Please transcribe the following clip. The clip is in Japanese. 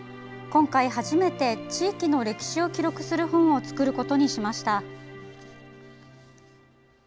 今回初めて、地域の歴史を記録する本を作ることにしました。